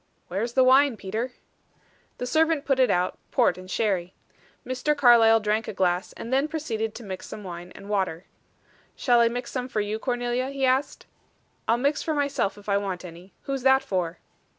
"Where is the wine, Peter?" The servant put it out, port and sherry. Mr. Carlyle drank a glass, and then proceeded to mix some wine and water. "Shall I mix some for you, Cornelia?" he asked. "I'll mix for myself if I want any. Who's that for?"